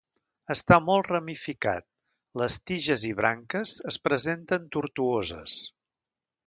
Està molt ramificat, les tiges i branques es presenten tortuoses.